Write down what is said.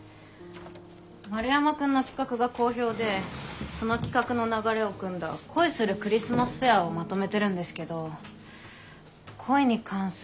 丸山くんの企画が好評でその企画の流れをくんだ「恋するクリスマスフェア」をまとめてるんですけど恋に関するフェアってピンと来なくて。